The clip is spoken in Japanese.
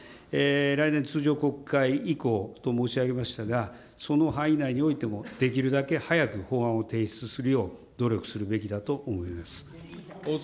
来年、通常国会以降と申し上げましたが、その範囲内においてもできるだけ早く法案を提出するよう、努力するべきだと思います。